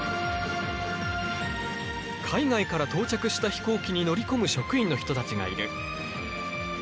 海外から到着した飛行機に乗り込む職員の人たちがいる。